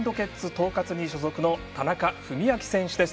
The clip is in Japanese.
東葛に所属の田中史朗選手です。